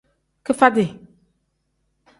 Kifati.